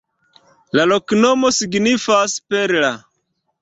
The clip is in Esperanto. La loknomo signifas: perla.